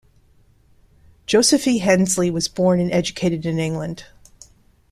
Josephy Hensley was born and educated in England.